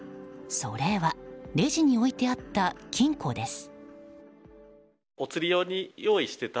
それはレジに置いてあった金庫です。